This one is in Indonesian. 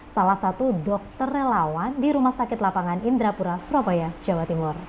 salah satu dokter relawan di rumah sakit lapangan indrapura surabaya jawa timur